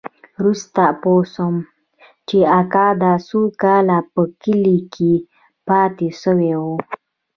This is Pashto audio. وروسته پوه سوم چې اکا دا څو کاله په کلي کښې پاته سوى و.